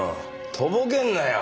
とぼけんなよ。